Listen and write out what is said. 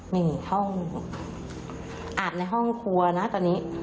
ไม่มีห้องอาบในห้องครัวนะตอนนี้